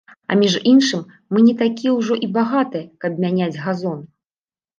А між іншым, мы не такія ўжо і багатыя, каб мяняць газон.